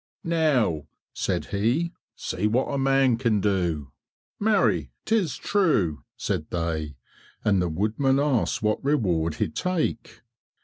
"Now," said he, "see what a man can do." "Marry, 't is true," said they, and the woodman asked what reward he'd take.